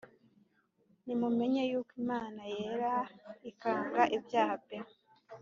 nimumenye yuko imana yera ikanga ibyaha pe !